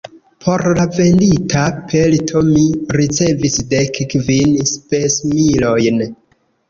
Por la vendita pelto mi ricevis dek kvin spesmilojn.